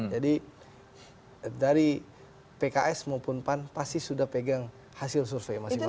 jadi dari pks maupun pan pasti sudah pegang hasil survei masing masing